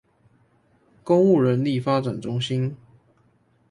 公務人力發展中心